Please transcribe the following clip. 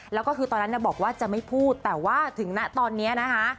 แล้วก็คือตอนนั้นบอกว่าจะไม่พูดแต่ว่าถึงนะตอนนี้นะคะ